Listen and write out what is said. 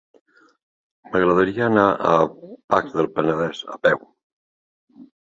M'agradaria anar a Pacs del Penedès a peu.